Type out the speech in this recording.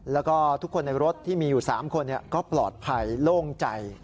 แล้วก็ทุกคนในรถที่มีอยู่๓คนก็ปลอดภัยโล่งใจ